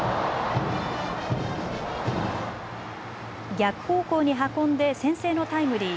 逆方向に運んで先制のタイムリー。